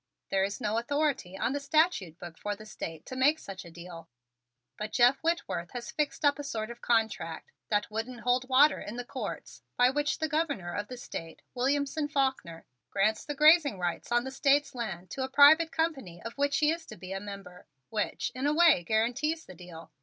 There is no authority on the statute book for the State to make such a deal, but Jeff Whitworth has fixed up a sort of contract, that wouldn't hold water in the courts, by which the Governor of the State, Williamson Faulkner, grants the grazing rights on the State's lands to a private company of which he is to be a member, which, in a way, guarantees the deal.